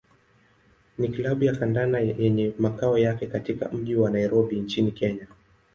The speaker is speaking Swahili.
ni klabu ya kandanda yenye makao yake katika mji wa Nairobi nchini Kenya.